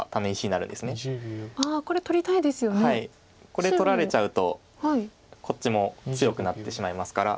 これ取られちゃうとこっちも強くなってしまいますから。